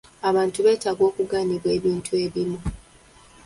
Abantu beetaaga okugaanibwa ebintu ebimu.